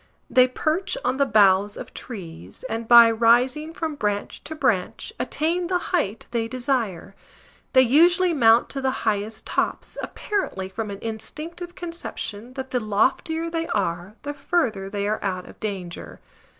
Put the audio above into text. They perch on the boughs of trees, and, by rising from branch to branch, attain the height they desire. They usually mount to the highest tops, apparently from an instinctive conception that the loftier they are the further they are out of danger.